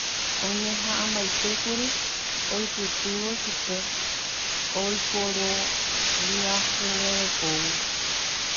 Oñeha'ãmbaitékuri oipytyvõ chupe oiporiahuverekógui